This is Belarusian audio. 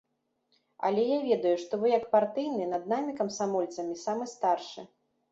Але я ведаю, што вы, як партыйны, над намі, камсамольцамі, самы старшы.